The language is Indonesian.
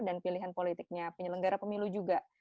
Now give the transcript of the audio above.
dan pilihan politiknya penyelenggara pemilu juga